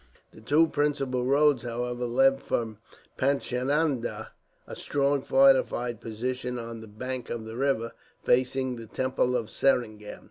The two principal roads, however, led from Paichandah, a strong fortified position on the bank of the river, facing the temple of Seringam.